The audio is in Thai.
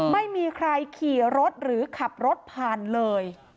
ไม่มีใครขี่รถหรือขับรถผ่านเลย